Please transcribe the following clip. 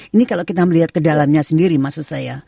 ini kalau kita melihat ke dalamnya sendiri maksud saya